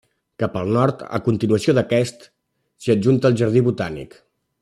Cap al nord, a continuació d'aquest, s'hi ajunta el jardí botànic.